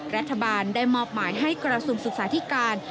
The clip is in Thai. รัฐบาลได้มอบหมายให้กราศูนย์ศึกษาที่การ